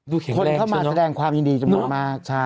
ดูแข็งแรงคนเข้ามาแสดงความยินดีจำนวนมากใช่